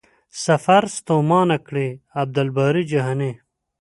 سفر ستومانه کړی.عبدالباري جهاني